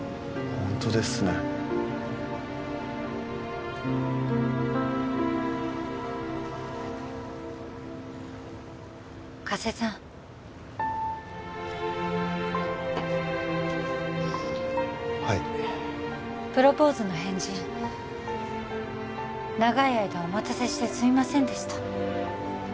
ホントですね加瀬さんはいプロポーズの返事長い間お待たせしてすいませんでした